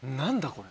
これ。